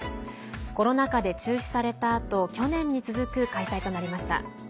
コロナ禍で中止されたあと去年に続く開催となりました。